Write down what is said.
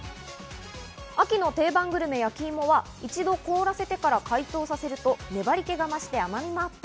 秋の定番グルメ・焼き芋は一度凍らせてから解凍させると粘り気が増して甘みもアップ。